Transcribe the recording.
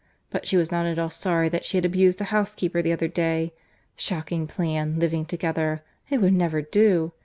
But she was not at all sorry that she had abused the housekeeper the other day.—Shocking plan, living together. It would never do.